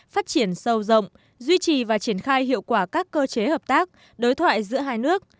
phát triển sâu rộng duy trì và triển khai hiệu quả các cơ chế hợp tác đối thoại giữa hai nước